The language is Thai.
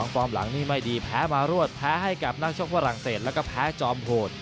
ฟอร์มหลังนี้ไม่ดีแพ้มารวดแพ้ให้กับนักชกฝรั่งเศสแล้วก็แพ้จอมโหด